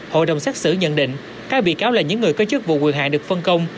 hội đồng xét xử nhận định các bị cáo là những người có chức vụ quyền hạn được phân công